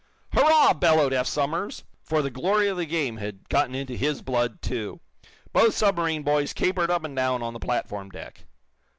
"Hurrah!" bellowed Eph Somers, for the glory of the game had gotten into his blood, too. Both submarine boys capered up and down on the platform deck.